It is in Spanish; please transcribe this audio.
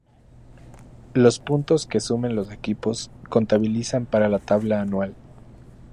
Los puntos que sumen los equipos, contabilizan para la tabla anual.